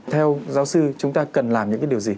theo giáo sư chúng ta cần làm những cái điều gì